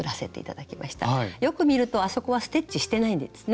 よく見るとあそこはステッチしてないんですね。